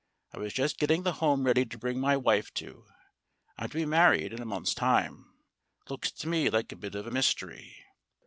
I was just getting the home ready to bring my wife to I'm to be married in a month's time. Looks to me like a bit of a mystery."